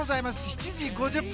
７時５０分